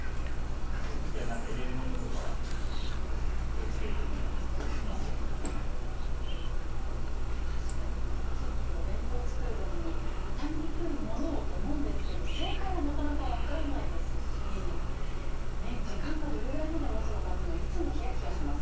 そのときはなんか入れるものとかは、確かにこの時期、お弁当作るときに、傷みにくいものをと思うんですけれども、正解がなかなか分からないですし、時間がどれぐらいまでもつのかというのは、いつもひやひやします。